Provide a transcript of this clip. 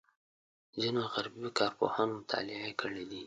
ځینو غربي کارپوهانو مطالعې کړې دي.